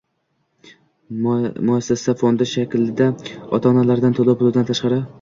Muassasa fondi shaklida ota-onalardan to‘lov pulidan tashqari